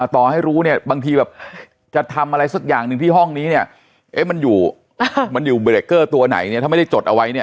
ต่อให้รู้เนี่ยบางทีแบบจะทำอะไรสักอย่างหนึ่งที่ห้องนี้เนี่ยเอ๊ะมันอยู่มันอยู่เบรกเกอร์ตัวไหนเนี่ยถ้าไม่ได้จดเอาไว้เนี่ย